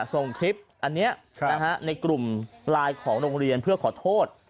ส่งคลิปอันนี้ในกลุ่มไลน์ของโรงเรียนเพื่อขอโทษ